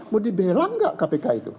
mau dibela nggak kpk itu